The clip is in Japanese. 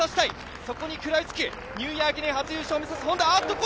そこに食らいつくニューイヤー駅伝初優勝を目指すＨｏｎｄａ。